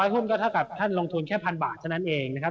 หุ้นก็เท่ากับท่านลงทุนแค่พันบาทเท่านั้นเองนะครับ